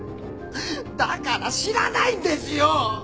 だから知らないんですよ。